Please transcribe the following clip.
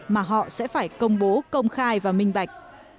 mà họ sẽ phải công bố công khai và minh bạch